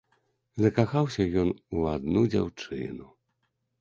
Закахаўся ён у адну дзяўчыну.